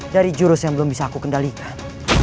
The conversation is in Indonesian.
dari jurus yang belum bisa aku kendalikan